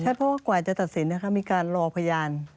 ใช่เพราะว่ากว่าจะตัดสินมีการรอพยาน